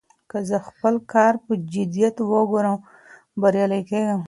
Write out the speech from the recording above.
که زه خپل کار په جدیت وکړم، بريالی کېږم.